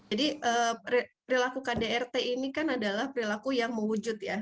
jadi perilaku kdrt ini kan adalah perilaku yang mewujud ya